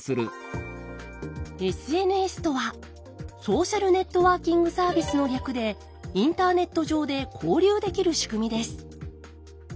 ＳＮＳとは「ソーシャルネットワーキングサービス」の略でインターネット上で交流できる仕組みです。